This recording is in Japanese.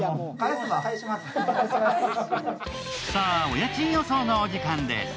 お家賃予想のお時間です。